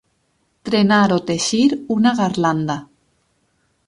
Trenar o teixir una garlanda.